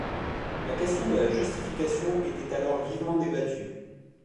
La question de la justification était alors vivement débattue.